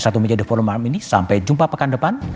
satu meja di forum malam ini sampai jumpa pekan depan